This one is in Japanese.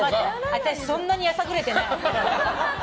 私、そんなにやさぐれてない。